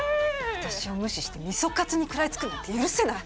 私を無視して味噌カツに食らいつくなんて許せない。